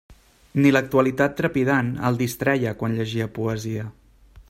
Ni l'actualitat trepidant el distreia quan llegia poesia.